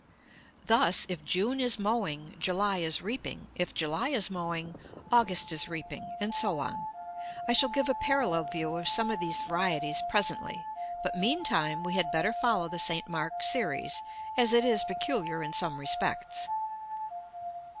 Thus, if June is mowing, July is reaping; if July is mowing, August is reaping; and so on. I shall give a parallel view of some of these varieties presently; but, meantime, we had better follow the St Mark's series, as it is peculiar in some respects.